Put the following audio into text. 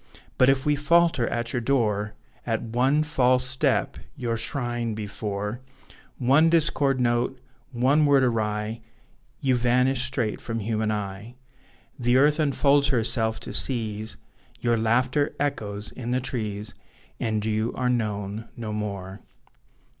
But if we falter at your door At one false step your shrine, before One discord note, one word awry You vanish straight from human eye: The earth unfolds herself to seize, Your laughter echoes in the trees; And you are known no more.